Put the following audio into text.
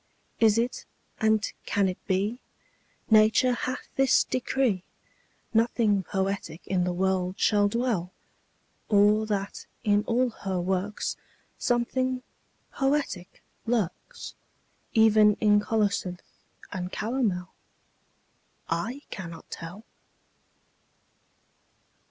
Is it, and can it be, Nature hath this decree, Nothing poetic in the world shall dwell? Or that in all her works Something poetic lurks, Even in colocynth and calomel? I cannot tell.